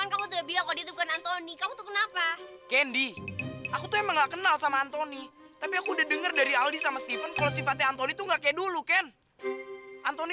jadi kamu tuh gak bisa percaya dia tuh kalau dia tuh bukan antoni